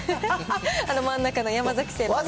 あの真ん中の山崎製パン。